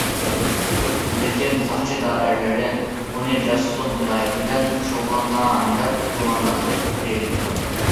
لېكىن ساقچى دائىرىلىرى ئۇنى جاسۇسلۇق جىنايىتى بىلەن شۇغۇللانغان، دەپ گۇمانلاندى، دېيىلدى.